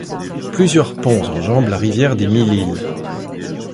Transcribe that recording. Plusieurs ponts enjambent la rivière des Mille-Îles.